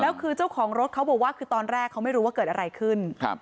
แล้วคือเจ้าของรถเขาบอกว่าคือตอนแรกเขาไม่รู้ว่าเกิดอะไรขึ้นครับ